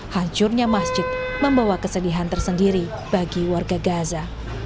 hancurnya masjid membawa kesedihan tersendiri bagi warga gaza